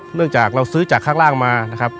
เนื่องจากเราซื้อจากข้างล่างมานะครับ